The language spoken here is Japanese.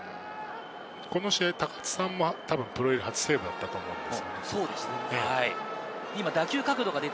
この試合、高津さんもプロ入り初セーブだったと思うんです。